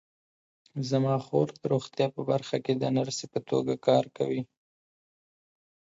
زما خور د روغتیا په برخه کې د نرسۍ په توګه کار کوي